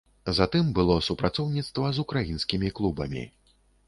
Затым было супрацоўніцтва з украінскімі клубамі.